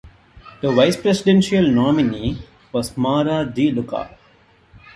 The vice presidential nominee was Maura DeLuca.